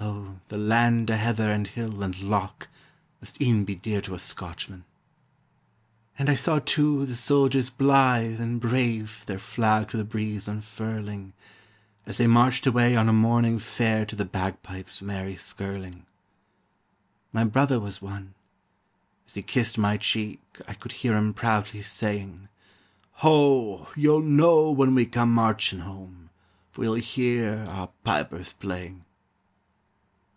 Oh, the land o' heather and hill and loch Must e'en be dear to a Scotchman. And I saw, too, the soldiers blithe and brave Their flag to the breeze unfurling, As they marched away on a morning fair To the bagpipes' merry skirling. My brother was one. As he kissed my cheek, I could hear him proudly saying: "Ho! you'll know when we come marching home, For you'll hear our pipers playing."